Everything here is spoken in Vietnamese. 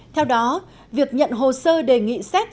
theo đó việc nhận hồ sơ đề nghị xét